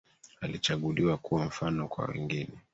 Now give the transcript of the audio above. Alichaguliwa kuwa mfano kwa wengine